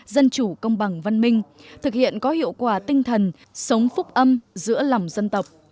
dân chủ công bằng văn minh thực hiện có hiệu quả tinh thần sống phúc âm giữa lòng dân tộc